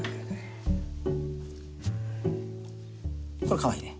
これかわいいね。